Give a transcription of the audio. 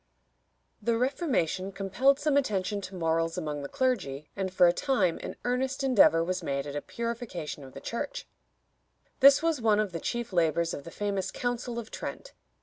The Reformation compelled some attention to morals among the clergy, and for a time an earnest endeavor was made at a purification of the Church. This was one of the chief labors of the famous Council of Trent.